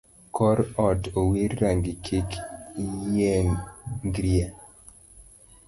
Kor ot owir rangi kik iyiengrie.